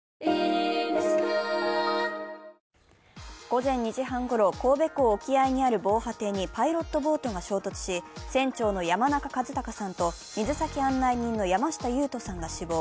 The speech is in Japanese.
午前２時半ごろ、神戸港沖合にある防波堤にパイロットボートが衝突し船長の山中和孝さんと水先案内人の山下勇人さんが死亡。